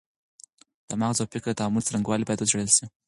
د مغز او فکر د تعامل څرنګوالی باید وڅېړل سي.